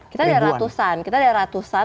kita ada ratusan kita ada ratusan